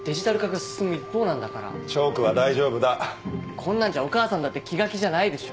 こんなんじゃお母さんだって気が気じゃないでしょ。